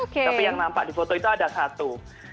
tapi yang nampak di foto itu ada satu